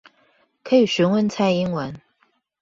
可以詢問蔡英文